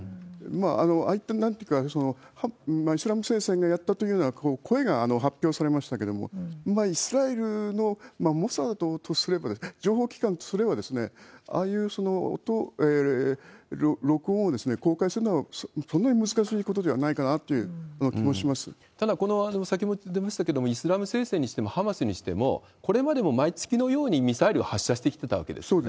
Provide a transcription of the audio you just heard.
ああいった、イスラム聖戦がやったというような声が発表されましたけれども、イスラエルのモサドとすれば、情報機関とすれば、ああいう音、録音を公開するのはそんなに難しいことではないかなという気もしただ、先ほど出ましたけれども、イスラム聖戦にしてもハマスにしても、これまでも毎月のようにミサイルを発射してきてたわけですね。